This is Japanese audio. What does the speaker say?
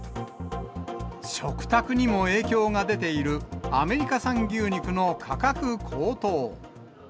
食卓にも影響が出ているアメリカ産牛肉の価格高騰。